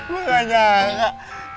hahaha coba jangan